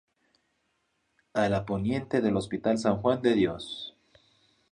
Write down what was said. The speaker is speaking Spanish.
Ala poniente del Hospital San Juan de Dios.